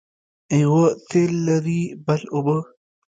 یوه تېل لري بل اوبه.